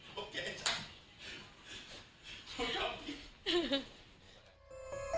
สวัสดีค่ะ